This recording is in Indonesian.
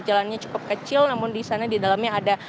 jalannya cukup kecil namun di sana di dalamnya ada